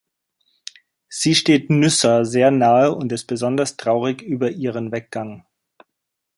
Sie steht Nyssa sehr nahe und ist besonders traurig über ihren Weggang.